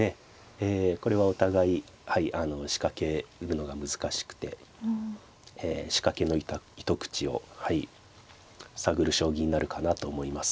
えこれはお互いはいあの仕掛けるのが難しくて仕掛けの糸口を探る将棋になるかなと思います。